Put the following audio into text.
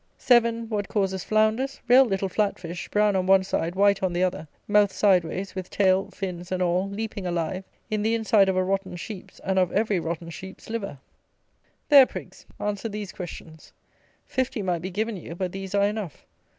7. What causes flounders, real little flat fish, brown on one side, white on the other, mouth side ways, with tail, fins, and all, leaping alive, in the inside of a rotten sheep's, and of every rotten sheep's, liver? There, prigs; answer these questions. Fifty might be given you; but these are enough.